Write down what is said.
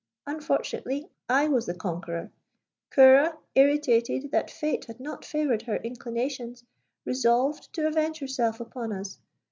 Unfortunately, I was the conqueror. Ceora, irritated that Fate had not favoured her inclinations, resolved to avenge herself upon us.